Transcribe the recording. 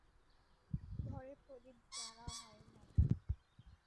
ঘরে প্রদীপ জ্বালা হয় নাই।